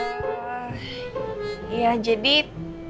kenapa kalian kabur